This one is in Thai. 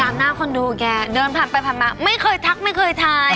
หน้าคอนโดแกเดินผ่านไปผ่านมาไม่เคยทักไม่เคยทาย